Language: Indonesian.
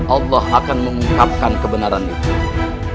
allah akan mengungkapkan kebenaran itu